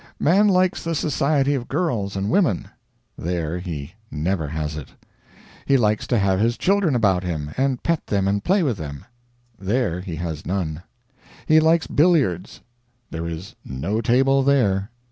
Man likes the society of girls and women there he never has it. He likes to have his children about him, and pet them and play with them there he has none. He likes billiards there is no table there.